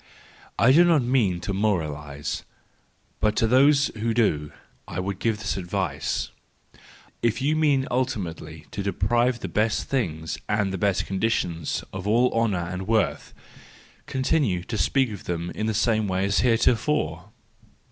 —I do not mean to moralise, but to those who do, I would give this advice: if you mean ultimately to deprive the best things and the best conditions of all honour and worth, continue to speak of them in the same way as heretofore!